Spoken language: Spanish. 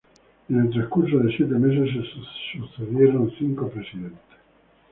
En el transcurso de siete meses se sucedieron cinco presidentes.